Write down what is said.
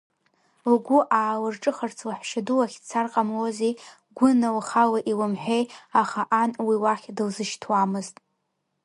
Лгәы аалырҿыхарц лаҳәшьаду лахь дцар ҟамлози, Гәына лхала илымҳәеи, аха ан уи уахь дылзышьҭуамызт.